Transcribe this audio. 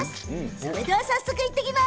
それでは行ってきます。